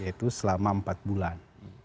yaitu selama empat bulan